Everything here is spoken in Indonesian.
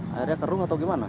airnya keruh atau gimana